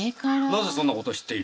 なぜそんな事を知っている？